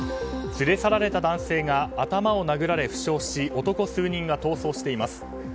連れ去られた男性が頭を殴られ負傷し男数人が逃走しています。